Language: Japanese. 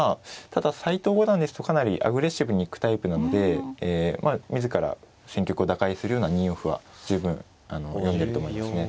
ただ斎藤五段ですとかなりアグレッシブに行くタイプなので自ら戦局を打開するような２四歩は十分読んでると思いますね。